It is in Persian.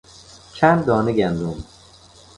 چند دانه گندم